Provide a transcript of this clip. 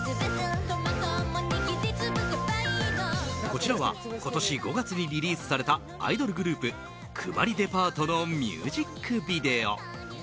こちらは今年５月にリリースされたアイドルグループクマリデパートのミュージックビデオ。